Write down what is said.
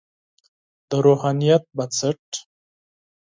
د روحانیت بنسټ.